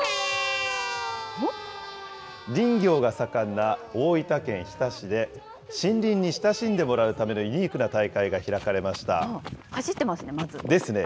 林業が盛んな大分県日田市で、森林に親しんでもらうためのユニークな大会が開かれました。ですね。